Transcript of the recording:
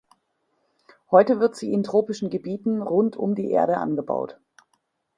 Heute wird sie in tropischen Gebieten rund um die Erde angebaut.